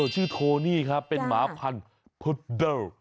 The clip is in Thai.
ชื่อโทนี่ครับเป็นหมาพันธุ์